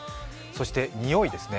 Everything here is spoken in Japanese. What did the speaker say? そしてにおいですね。